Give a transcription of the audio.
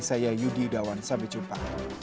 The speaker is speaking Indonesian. saya yudi yudawan sampai jumpa